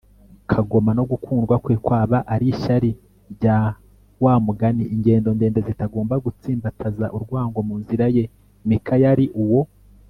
kagoma, no gukundwa kwe, kwaba ari ishyari rya wa mugani ingendo-ndende-zitagomba gutsimbataza urwango munzira ye. mika yari uwo